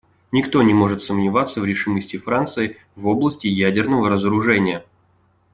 Никто не может сомневаться в решимости Франции в области ядерного разоружения.